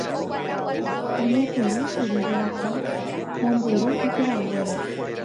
oñepyrũkuri herakuã mombyry iporãnguére